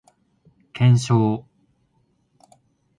検証